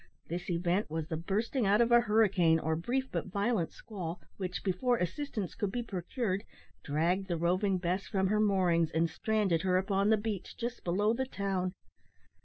This event was the bursting out of a hurricane, or brief but violent squall, which, before assistance could be procured, dragged the Roving Bess from her moorings, and stranded her upon the beach, just below the town.